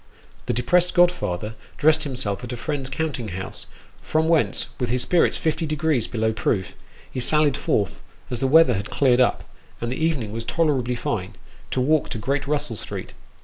The depressed godfather dressed himself at a friend's counting house, from whence, with his spirits fifty degrees below proof, he sallied forth as the weather had cleared up, and the even ing was tolerably fine to walk to Great Russell Street.